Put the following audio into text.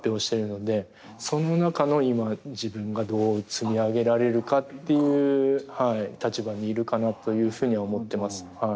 その中の今自分がどう積み上げられるかという立場にいるかなというふうには思ってます。